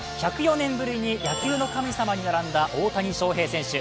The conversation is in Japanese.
１０４年ぶりに野球の神様に並んだ大谷翔平選手。